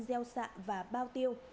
gieo sạ và bao tiêu